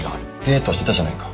デートしてたじゃないか。